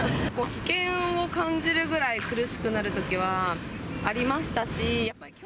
危険を感じるぐらい苦しくなるときはありましたし。